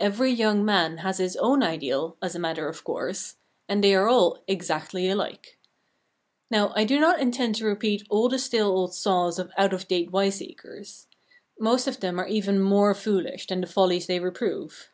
Every young man has his own ideal, as a matter of course, and they are all exactly alike. Now, I do not intend to repeat all the stale old saws of out of date wiseacres. Most of them are even more foolish than the follies they reprove.